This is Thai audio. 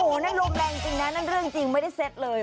โอโหโหน้นลมแรงจริงนั้นคนนะไม่ได้เซ็ตเลย